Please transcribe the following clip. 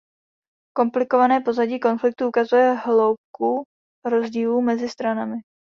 Komplikované pozadí konfliktu ukazuje hloubku rozdílů mezi stranami.